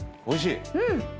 おいしい。